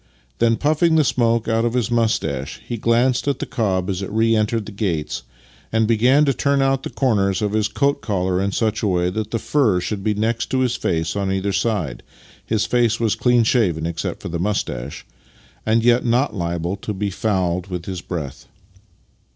Then, puffing the smoke out of his moustache, he glanced at the cob as it re entered the gates, and began to turn out the corners of his coat collar in such a way that the fur should be next his face on either side (his face was clean shaven, except for a moustache), and yet not liable to be fouled with his breath.